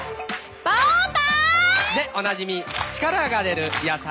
「ポパイ」！でおなじみ力が出る野菜。